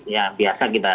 yang biasa kita dengar